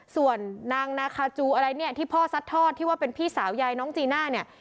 ส่วนนางนาคาจูอะไรเนี่ยที่พ่อซัดทอดที่ว่าเป็นพี่สาวยายน้องจีน่าเนี่ย